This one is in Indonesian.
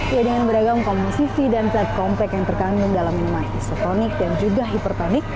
ya dengan beragam komposisi dan zat komplek yang terkandung dalam minuman isotonik dan juga hipertonik